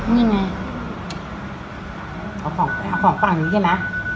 นี่ไงเอาของของฝั่งนี้ขึ้นมา